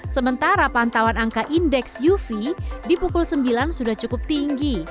sementara pantauan angka indeks uv di pukul sembilan sudah cukup tinggi